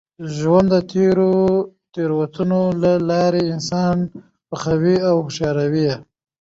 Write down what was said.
ژوند د تېرو تېروتنو له لاري انسان پخوي او هوښیاروي.